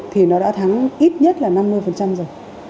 thì nó đã thắng ít nhất là năm mươi rồi